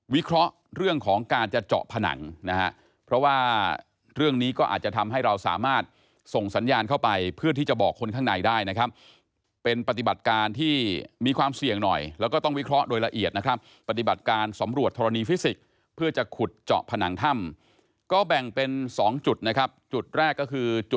เคราะห์เรื่องของการจะเจาะผนังนะฮะเพราะว่าเรื่องนี้ก็อาจจะทำให้เราสามารถส่งสัญญาณเข้าไปเพื่อที่จะบอกคนข้างในได้นะครับเป็นปฏิบัติการที่มีความเสี่ยงหน่อยแล้วก็ต้องวิเคราะห์โดยละเอียดนะครับปฏิบัติการสำรวจธรณีฟิสิกส์เพื่อจะขุดเจาะผนังถ้ำก็แบ่งเป็น๒จุดนะครับจุดแรกก็คือจุด